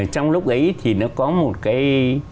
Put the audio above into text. trong lúc ấy thì nó có một cái